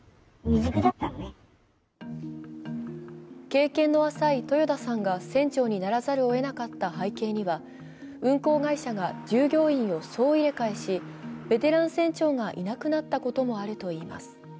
経験の浅い豊田さんが船長にならざるをえなかった背景には運航会社が従業員を総入れ替えし、ベテラン船長がいなくなったこともあるといいます。